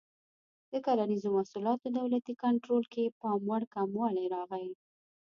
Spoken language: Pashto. د کرنیزو محصولاتو دولتي کنټرول کې پاموړ کموالی راغی.